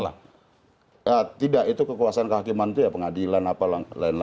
nah kemudian tidak itu kekuasaan kehakiman itu ya pengadilan apa lain lain